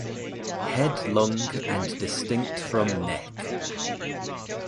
Head long and distinct from neck.